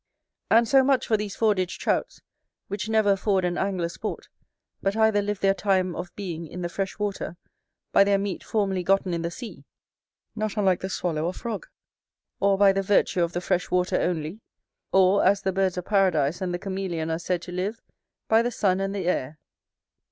And so much for these Fordidge Trouts, which never afford an angler sport, but either live their time of being in the fresh water, by their meat formerly gotten in the sea, not unlike the swallow or frog, or, by the virtue of the fresh water only; or, as the birds of Paradise and the cameleon are said to live, by the sun and the air.